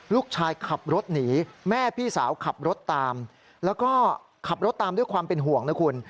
ขับรถหนีแม่พี่สาวขับรถตามแล้วก็ขับรถตามด้วยความเป็นห่วงนะคุณ